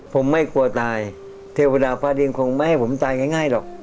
ผมไม่กลัวตายเทวดาฟ้าดินคงไม่ให้ผมตายง่ายหรอก